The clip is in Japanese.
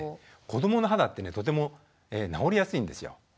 こどもの肌ってねとても治りやすいんですよ。